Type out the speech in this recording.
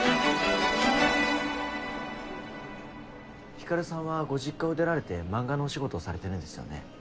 光さんはご実家を出られて漫画のお仕事をされてるんですよね？